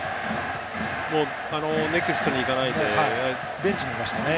ネクストに行かないでベンチにいましたね。